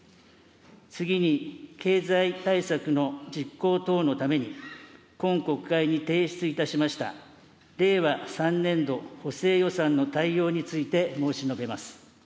次に経済対策の実行等のために、今国会に提出いたしました、令和３年度補正予算の大要について、申し述べます。